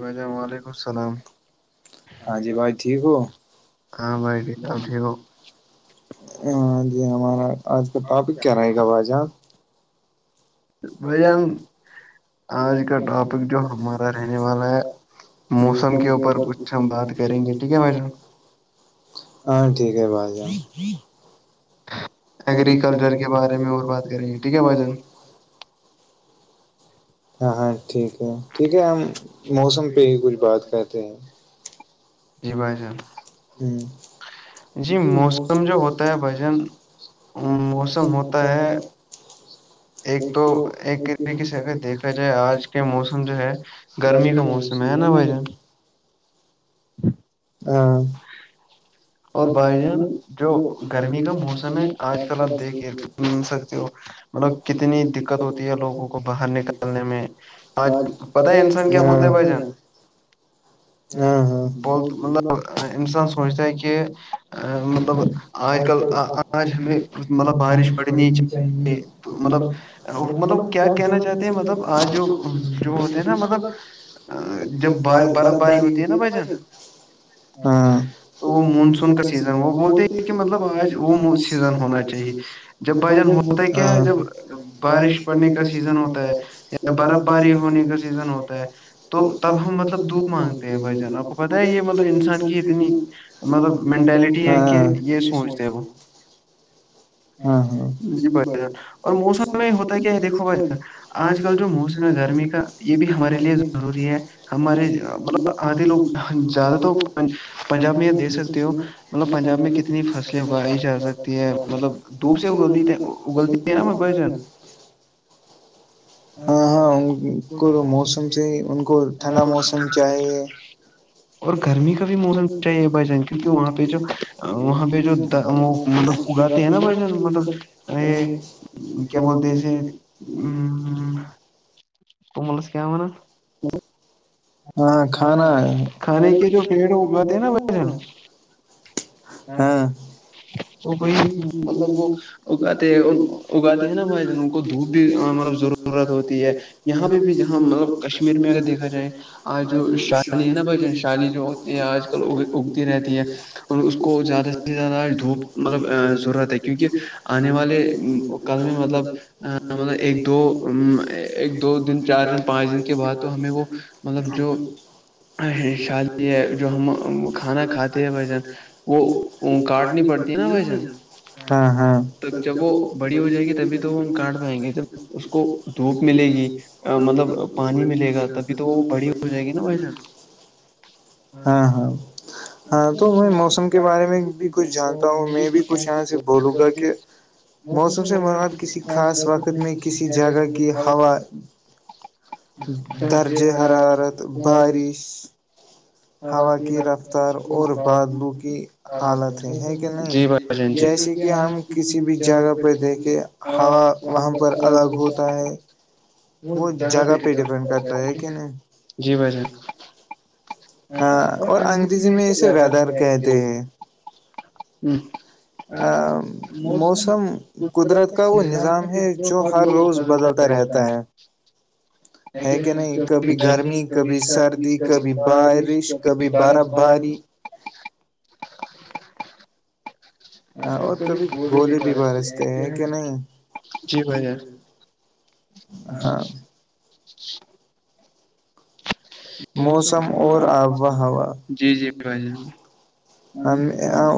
واں وعلیکم السلام ہاں جی بھائی ٹھیک ہو ہاں جی ہمارا آج کا ٹاپک کیا رہے گا با جان بھائی جان آج کا ٹاپک جو ہمارا رہنے والا ہے موسم کے اوپر کچھ ہم بات کریں گے ٹھیک ہے بھائی جان ہاں ٹھیک ہے بھائی جانؤ ایگررییکلچر کے بارے میں اور بات کریں گے ٹھیک ہے بھائی جان ہاں ہاں ٹھیک ہے ٹھیک ہے ہم موسم پہ ہی کچھ بات کرتے ہیں جی بھائی ہ جی موسم جو ہوتا ہے بائی ا موسم بتا ہے ایک تو ایک طریقے سے اگر دیکھا جائے آج کے موسم جو ہے گرمی کا موسم ہے نا بھائی جان ہاں اور بھائی جان جو گرمی کا موسم ہے آج کل آپ دیکھے م سکتے ہو مطلب کتنی دقت ہوتی ہے لوگوں کو باہر نکالنے میں آج پتا ہے انسان کیا بولتا ہے بھائی جان ہ ب مطلب انسان سوچتا ہے کہ ا مطلب آج کل آج ہمیں مطلب بارش پڑنی چاہ ہے مطلب مطلب کیا کہنا چاہتے ہیں مطلب آج جو جو ہوتے ہیں نا مطلب جب برف باری ہوتی ہے نا بھائین ہاں تو وہ مونسون کا سیزن وہ بولتے ہی کہ مطلب آج وہ سیز ہونا چی جب بائی جان ہوتا ہے بارش پڑنے کا سیزن ہوتا ہے یا برف باری ہونے کا سیزن ہوتا ہے تو تک گو مطلب دھ متے آپ کو پتہ ہے یہ یہ ج ہاں اور موسم میں ہوتا کیا ہے دیکھو ب آج کل جو موسم ہے گرمی کا یہ بھی ہمارے لیے ضروری ہے ہمارے مطلب آدھے لوگ زیادہ تو پنجاب میں دھ سکتے ہو مطلب پنجاب میں کتنی فصلیں اگائی جا سکتی ہے مطلب دور سے اگ اگلتی ہیں نا بائی جن ہاں ہاں ان کو موسم سے ہی ان کو ٹھنڈا موسم چاہیے اور گرمی کا بھی موسم کئی ایک بجہ کیونکہ وہاں پہ جو وہاں پہ جو بس یہ نا مطلب کیا بولتے تھے توملس کیا ونان ج کھانے کے جو پیڑ ہوگئے تھے نا بجن ہاں تو بئی مطلب وہ اگاتے ہیں اگاتے ہیں نا بھائی جن ان کو دھوپ بھی مطلب ضرورت ہوتی ہے یہاں پہ بھی جہاں مطلب کشمیر میں اگر دیکھا جائے جو شالی ہے نا بھائی جان شالی جو یہ آج کل اگتی رہتی ہے اور اس کو زیادہ سے زیادہ دھوپ مطلب ضورت ہے کیونکہ آنے والے کام مطلب ایک دو ایک دو دن چار پانچ دن کے بعد تو ہم نے جو شادی ہے جو ہم کھانا کھاتے ہیں ب وہ کاٹنی پڑتی ہاں ہاں ب جب وہ بڑی ہو جائے گی تبھی تو وہ ہم کاٹ پائیں گے جب اس کو دھوپ ملے گی مطلب پانی ملے گا تبھی تو وہ بڑی ہو جائے گی نا وجن ہاں ہاں ہاں تو میں موسم کے بارے میں بھی کچھ جان بتا ہوں میں بھی کچھ یہاں سے بولوں گا کہ موسم سے مرب کسی خاص وقت میں کسی جگہ کی ہوا درجہ حرارت بارش ہوا کی رفتار اور بادلو کی حالت ہیں ہیں کہ نہیں جیسے کہ ہم کی کسی بھی جگہ پہ دیکھے ہوا وہاں پر الگ ہوتا ہے وہ جگہ پہ ڈیپینڈ کرتا ہے کہ نہیں ہاں اور انگریزی میں ایے ویدر کہتے ہیں ا [unintelligible] [inaudible] موسم قدرت کا وہ نظام ہے جو ہر روز بدلتا رہتا ہے ہے کہ نہیں کبھی گرمی کبھی سردی کبھی بارش کبھی برف باری ا [unintelligible] [inaudible] ب سے ہیں جی بھیا ہاں موسم اور آب و ہوا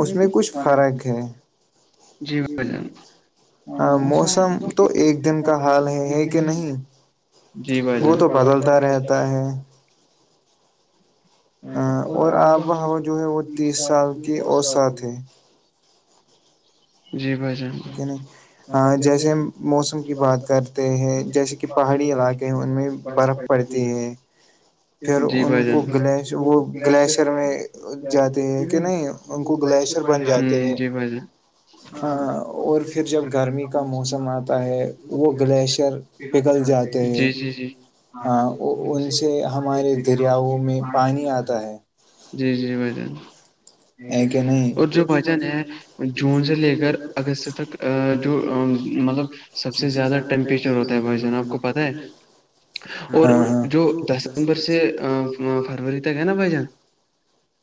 اس میں کچھ فرق ہے جی ب جان ہاں موسم تو ایک دن کا حال ہے ہے کہ نہیں وہ تو بدلتا رہتا ہے ا اور آب و ہوا جو ہے وہ تیس سال کی اور ساتھ ہے ج [unintelligible] [inaudible] نہیں جیسے ہم موسم کی بات کرتے ہیں جیسے کہ پہاڑی علاقے ہیں ان میں برف پڑتی ہیں پھر ان کو گلیش وہ گلیشر میں جاتے ہے کہ نہیں ان کو گلیشئر بن جاتے ہیں ہ اور پھر جب گرمی کا موسم آتا ہے وہ گلیشر پگل جاتے ہیں ہاں ان سے سے ہمارے دریاؤ میں پانی آتا ہے ا کہ نہیں جون سے لے کر اگست تک جو مطلب سب سے زیادہ ٹیمپریچر ر ہوتا ہے بھائی جان آپ کو پتا ہے اور جو تو دسمبر سے فروری تک ہے نا بھائی جان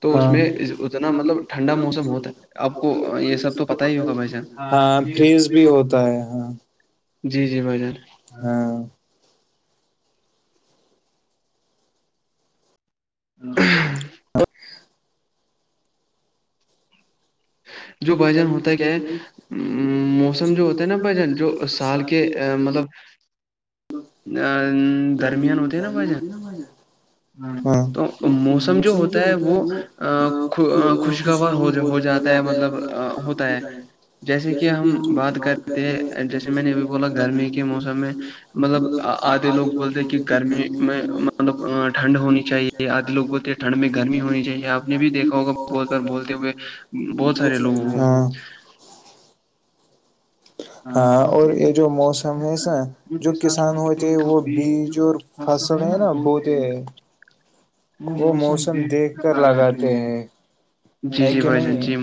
تو اس میں اتنا مطلب ٹھنڈا موسم ہوتا ہے آپ کو یہ سب تو پت ہی ہوگا بھائی جاناںز بھی جی جی بھائی جان ہ [inaudible] [inaudible] جو بھجن ہوتا ہے کیا موسم جو ہوتا ہے نا بھجن جو سال کے مطلب [inaudible] ا درمیان ہوتے نا بجہ ہاں تو موسم جو ہوتا ہے وہ خوشخوار ہو ہو جاتا ہے مطلب ہوتا ہے جیسے کہ ہم بات کرتے جیسے میں نے ابھی بولا گرمی کے موسم میں مطلب آدھے لوگ بول ج کہ گرمی میں مطلب ٹھنڈ ہونی چاہیے آدھی لوگ بولتے ہیں ٹھنڈ میں گرمی ہونی چاہیے آپ نے بھی دیکھا ہوگا بہت بار بولتے ہوئے بہت سارے لوگ ہاں ہاں اور یہ جو موسم ہے نا جو کسان ہوتے ہیں وہ بیج اور فصل ہے نا بہتے وہ موسم دیکھ کر لگاتے ہیں ہے کہ نہیں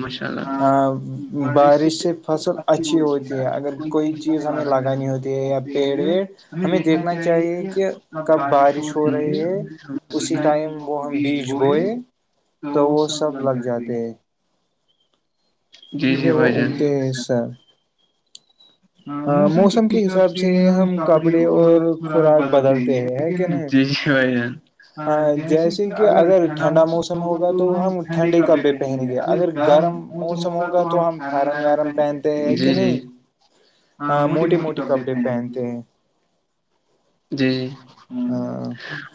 بارش سے فصل اچھی ہوتی ہے اگر کوئی چی چیز ہمیں لگانی ہوتی ہے یا پیڑ ویڑ ہمیں دیکھنا چاہیے کہ کب بارش پور ٹائم وہ ہم بیچ بوئے تو وہ سب لگ جاتے ہیں جی جی بھائی جان اچ موسم کے حساب سے ہ کپڑے وہ تھرا بدل رہ ہیں ہے کہ نہیں جی بھان ہاں جیسے کہ اگر ٹھنڈا موسم ہوگا تو ہم ٹھنڈے کپڑے پہنیں گے اگر گرم موسم ہوگا تو ہم ہرن ویرن پہنتے ہیں کہ نہیں ہاں موٹے موٹے کپڑے پہنتے ہیں جی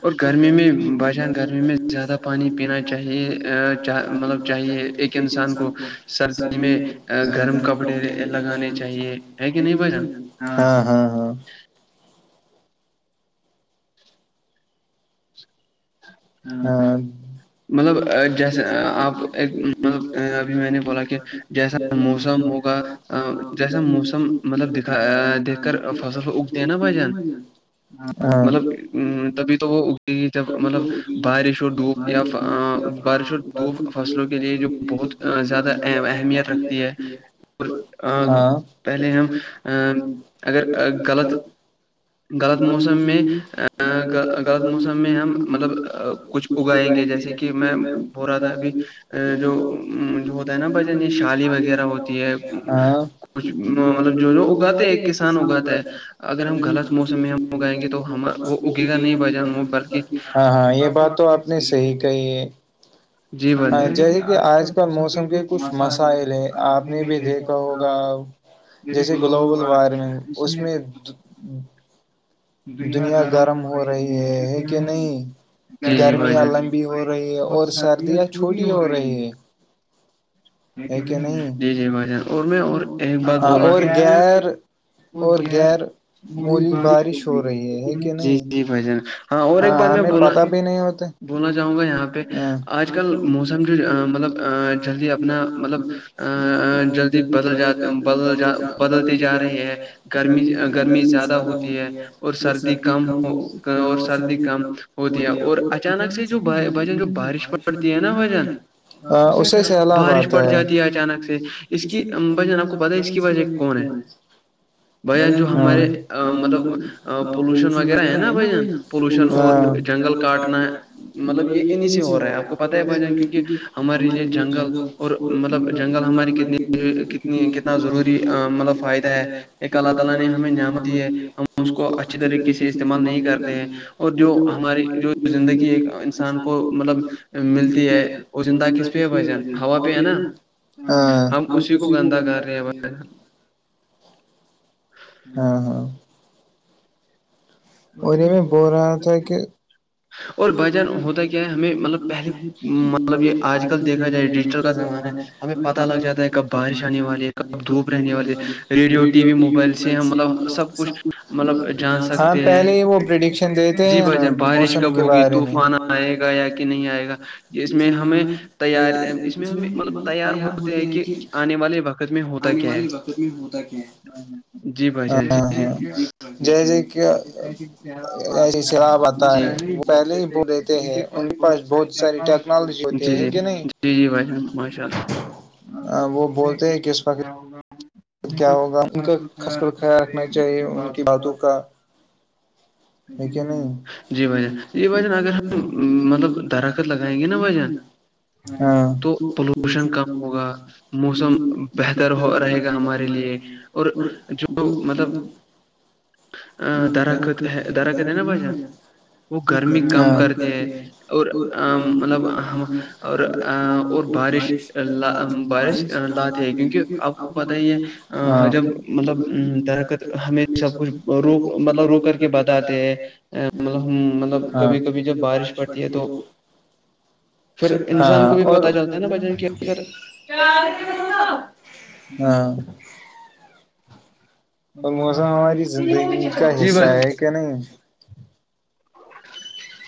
اور گرمی میں بھائی جان گرمی میں زیادہ پانی پینا چاہیے مطلب چاہیے ایک انسان کو سردی میں گرم کپڑے لگانے چاہیے ہے کہ نہیں بھن ہاں ہاں ہاں مطلب جیسے آپ ایک مطلب ابھی میں نے بولا کہ جیسا موسم ہوگا جیسا موسم مطلب دکھا دیکھ کر فصل کو ہے نا بھائی جان ہاں تبھی تو وہ اگتی جب مطلب بارش اور دھوپ یا بارش اور دھوپ فصلوں کے لیے جو بہت زیادہ ا اہمیت رکھتی ہے اور پہلے ہم اگر غلط غلط موسم میں غلط موسم میں مطلب کچھ اگائیں گے جیسے کہ میں بول رہا تھا ابھی جو جو ہوتا ہے نا بجن یہ شالی وغیرہ ہوتی ہے کچھ مطلب جو جو اگاتے ایک کس اگاتا ہے اگر ہم غلط موسم میں اگائیں گے تو ہم وہ اگے گا نہیں بھائی جان بلکہ ہاں ہاں یہ بات تو آپ نے صحیح کہی ہے جیسے کہ آج کل موسم کے کچھ مسائل ہیں آپ نے بھی دیکھ ہوگا جیسے گلوبل وارمنگ اس میں دنیا گرم ہو رہی ہے ہے کہ نہیں گرمیاں لمبی ہو رہی ہے اور سردیاں چھوٹی ہو رہی ہے ہے کہ نہیں ہاں اور غیر اور غیر وہ بارش ہو گئی ہے جی جی بھائی جان ہاں اور ایک بات میں بول بولنا چاہوں گا یہاں پہ آج کل موسم جو مطلب جلدی اپنا مطلب ا جلدی بدل جات بدل جا بدلتے جا رہے ہیں گرمی گرمی زیادہ ہوتی ہے اور سردی کم ہو اور سردی کم ہوتی ہے اور اچانک سے جو بھائی جان بارش پڑتی ہے نا بھائی جان ال جاتی ہے اچانک سے اس کی ممب ج آپ کو پت ہے اس کی وجٹ کون ہے بھائی جان جو ہمارے مطلب پولیوشن وغیرہ ہے نا بھائی جان جنگل کاٹنا مطلب یہ انی سے ہو رہا ہے آپ کو پتاہ ہے مے کیونکہ ہماری جو جنگل اور مطلب جنگہ ہماری کتنی کتنی کتنا ضروری مطلب فائدہ ہے ایک اللہ تعالی نے ہمیں نعمت دی ہے ہم اس کو اچھے طریقے سے استعمال نہیں کرتے ہیں اور جو ہماری جو زندگی ایک انسان کو مطلب ملتی ہے وہ زندہ کس میں وہ پ ہے نا ہم اسی کو گندا کر رہے ہیں بھائی ہاں ہاں اور یہ میں بول رہا تھا کہ اور وجہ ہوتا کہ ہمیں مطلب پہے مطلب یہ آج کل دیکھا جائے ڈیجیٹل کا زمانہ ہمیں پتا لگ جاتا ہے کب بائش جنے والی ہے کب بھوپ رہنے والی ہے ریڈیو ٹی وی موبائل سے ہم مو سب کچ ہاں پہلے ہی وہ پرڈکشن دیتے ہیں نا موسم کے بارے میں فان آئے گا یا کہ نہیں آئے گا اس میں ہمیں تیار اس میں بھی مطلب تیار ہوتے ہیں کہ آنے والے وقت میں ہوتا کیا ہے ہاں جی جیسے کہ سیلاب آتا ہے وہ پہلے ہی بول دیتے ہیں ان کے پاس بہت ساریے ٹیکنالوجی ہوتے ہے کہ نہیں وہ بولتے ہیں کس پر [unintelligible] کیا ہوگا ان کا خاص کر خیال رکھنا چاہیے ان کی باتوں کا [unintelligible] جی بھائیان جی بھائیان اگر ہم مطلب درخت لگائیں گے نا بھائیان تو پولوشن کم ہوگا موسم بہتر ہو رہے گا ہمارے لیے اور جو مطلب درخت ہے درخ کت ہیں نا بجان وہ گرمی کم کرتے ہیں اور مطلب اور بارش بارش لاتے ہے کیونکہ آپ کو پت ہی ہے جب مطلب درکت ہمیشہ کچھ رو مطلب رو کر کے بتاتے ہیں مطلب مطلب کبھی کبھی جب بارش پڑتی ہے تو [inaudible] پھر انسان کو بھی پتا چلتا ہے نا بچن کیا کر ہاں اور موسم ہماری زندگی کا حصہ ہے کیا نہیں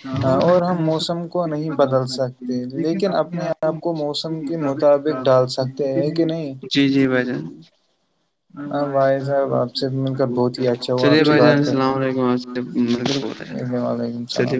لاہول میں موسم بھی بدل سکتے ہیں لیکن اپنے آپ کو موسم کے مطابق جی جی بھائی جان چلیے بھائی جان السلام علیکم آپ ملبھر بہت ہے جانا وعلیکم السلام